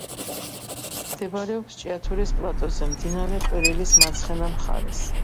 მდებარეობს ჭიათურის პლატოზე, მდინარე ყვირილის მარცხენა მხარეს.